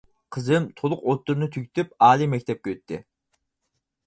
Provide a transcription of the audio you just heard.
قىزىم تولۇق ئوتتۇرىنى تۈگىتىپ ئالىي مەكتەپكە ئۆتتى.